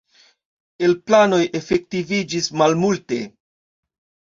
El planoj efektiviĝis malmulte.